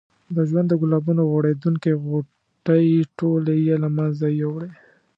د ژوند د ګلابونو غوړېدونکې غوټۍ ټولې یې له منځه یوړې.